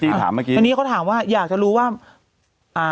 พี่ติเร็วอ่ะนี่เขาถามว่าอยากจะรู้ว่าเอ่อ